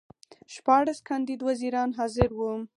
شپاړس کاندید وزیران حاضر وو.